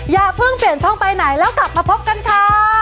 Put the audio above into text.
อย่าเพิ่งเปลี่ยนช่องไปไหนแล้วกลับมาพบกันค่ะ